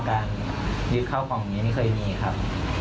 ขอมิตรแรงมากนี่ครับ